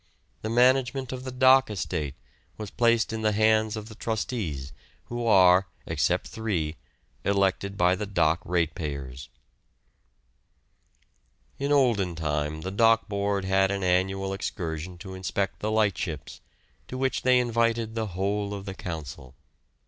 The management of the dock estate was placed in the hands of the trustees, who are, except three, elected by the dock ratepayers. In olden time the Dock Board had an annual excursion to inspect the lightships, to which they invited the whole of the Council.